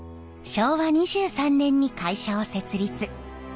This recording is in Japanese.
昭和２３年に会社を設立。